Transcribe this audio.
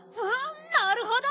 なるほど！